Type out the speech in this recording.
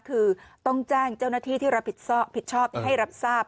คือต้องแจ้งเจ้าหน้าที่ที่รับผิดชอบผิดชอบให้รับทราบ